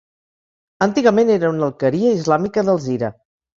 Antigament era una alqueria islàmica d'Alzira.